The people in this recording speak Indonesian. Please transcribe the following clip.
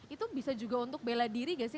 itu bisa juga untuk bela diri gak sih